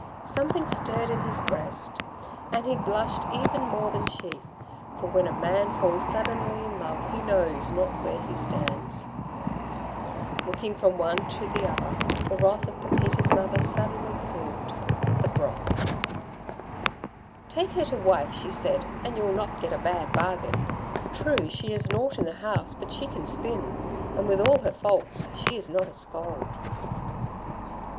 Something stirred in his breast, and he blushed even more than she; for when a man falls suddenly in love he knows not where he stands. Looking from one to the other, the wrath of Pepita's mother suddenly cooled. [Illustration: Pepita rushed into his Arms.] 'Take her to wife,' she said, 'and you'll not get a bad bargain. True, she is nought in the house, but she can spin. And with all her faults she is not a scold.'